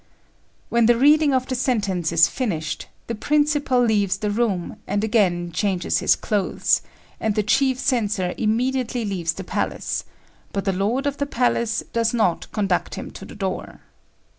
When the reading of the sentence is finished, the principal leaves the room and again changes his clothes, and the chief censor immediately leaves the palace; but the lord of the palace does not conduct him to the door.